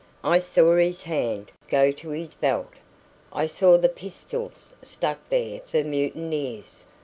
I saw his hand go to his belt; I saw the pistols stuck there for mutineers.